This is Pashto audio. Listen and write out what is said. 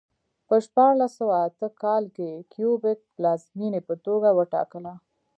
په شپاړس سوه اته کال کې کیوبک پلازمېنې په توګه وټاکله.